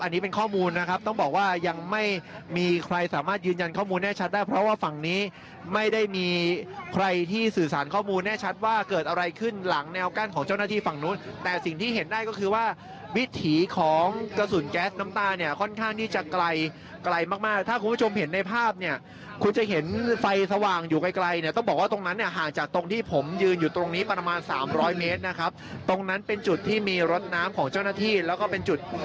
อันนี้เป็นข้อมูลนะครับต้องบอกว่ายังไม่มีใครสามารถยืนยันข้อมูลแน่ชัดได้เพราะว่าฝั่งนี้ไม่ได้มีใครที่สื่อสารข้อมูลแน่ชัดว่าเกิดอะไรขึ้นหลังแนวกั้นของเจ้าหน้าที่ฝั่งนู้นแต่สิ่งที่เห็นได้ก็คือว่าวิถีของกระสุนแก๊สน้ำตาเนี่ยค่อนข้างที่จะไกลไกลมากถ้าคุณผู้ชมเห็นในภาพเน